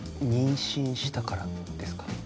妊娠したからですか？